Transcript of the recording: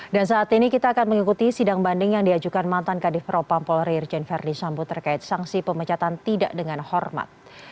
dan saat ini kita akan mengikuti sidang banding yang diajukan mantan kadifropa polri irjen verdi sambu terkait sanksi pemecatan tidak dengan hormat